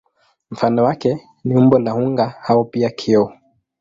Mfano wake ni umbo la unga au pia kioo.